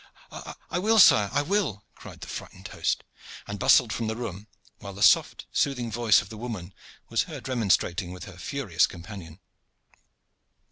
"I will, sire, I will!" cried the frightened host, and bustled from the room, while the soft, soothing voice of the woman was heard remonstrating with her furious companion.